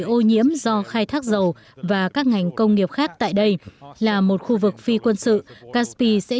ô nhiễm do khai thác dầu và các ngành công nghiệp khác tại đây là một khu vực phi quân sự kaspi sẽ